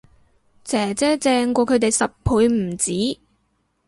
姐姐正過佢哋十倍唔止